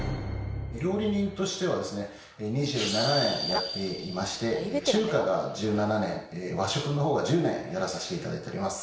料理人としては２７年やっていまして中華が１７年和食の方が１０年やらさせていただいております。